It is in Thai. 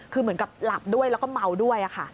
คือเหมือนกับหลับด้วยแล้วก็เมาด้วยค่ะ